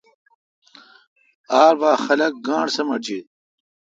ار بھا خلق گاݨڈ سمٹ جیت۔